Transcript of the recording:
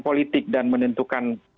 politik dan menentukan